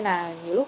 sau đó là